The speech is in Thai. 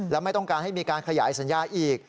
และไม่ต้องการให้มีการขยายสัญญาอีก